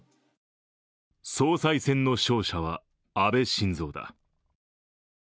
総裁選の勝者は安倍晋三だ。